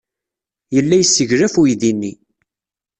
Yella yesseglaf uydi-nni.